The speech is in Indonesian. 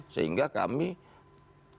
sehingga kami tetap